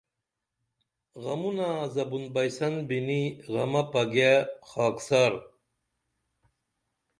غمونا زبُن بئیسن بِنی غمہ پگیہ خاکسار